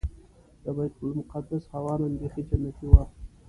د بیت المقدس هوا نن بيخي جنتي وه.